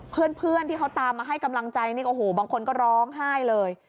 เพื่อนที่เขาตามมาให้กำลังใจนี่โอ้โหบางคนก็ร้องไห้เลย